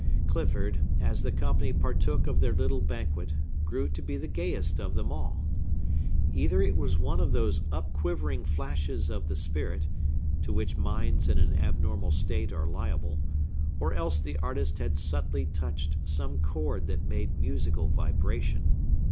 Clifford, as the company partook of their little banquet, grew to be the gayest of them all. Either it was one of those up quivering flashes of the spirit, to which minds in an abnormal state are liable, or else the artist had subtly touched some chord that made musical vibration.